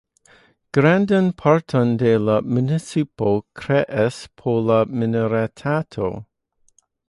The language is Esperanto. Grandan parton de la municipo kreas pola minoritato.